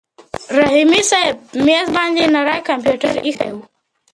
رحیمي صیب په مېز باندې نری کمپیوټر ایښی و.